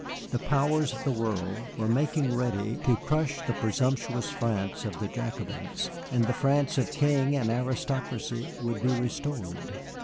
The powers of the world were making ready to crush the presumptuous France of the Jacobins, and the France of King and Aristocracy would be restored.